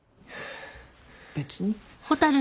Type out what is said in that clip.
別に。